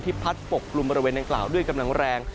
พัดปกกลุ่มบริเวณดังกล่าวด้วยกำลังแรง